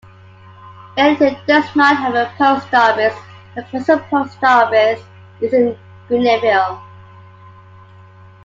Baileyton does not have a post office, The closest post office is in Greeneville.